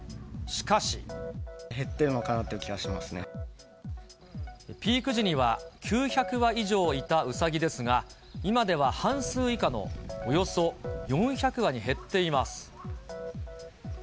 しかし。減ってるのかなという気はしピーク時には９００羽以上いたウサギですが、今では半数以下のおよそ４００羽に減っています。